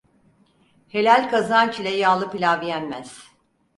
Helal kazanç ile yağlı pilav yenmez.